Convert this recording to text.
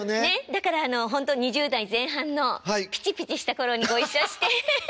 だからほんと２０代前半のピチピチした頃にご一緒してフフフ。